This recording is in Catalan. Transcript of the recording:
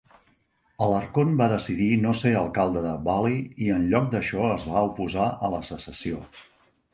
Alarcon va decidir no ser alcalde de Valley i enlloc d"això es va oposar a la secessió.